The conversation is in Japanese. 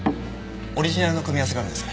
オリジナルの組み合わせがあるんです。